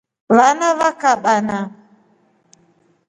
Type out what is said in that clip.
Vana va kabana.